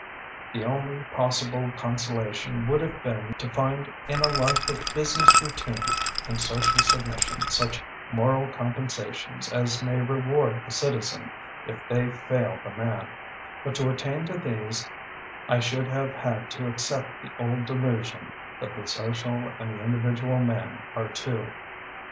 The only possible consolation would have been to find in a life of business routine and social submission such moral compensations as may reward the citizen if they fail the man; but to attain to these I should have had to accept the old delusion that the social and the individual man are two.